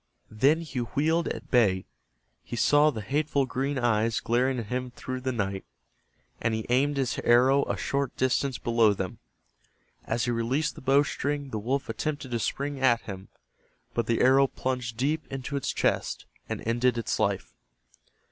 Then he wheeled at bay. He saw the hateful green eyes glaring at him through the night, and he aimed his arrow a short distance below them. As he released the bow string the wolf attempted to spring at him, but the arrow plunged deep into its chest and ended its life.